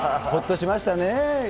ほっとしましたね。